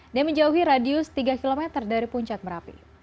dan menjauhi radius tiga km dari puncak merapi